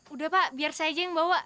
udah pak biar saya aja yang bawa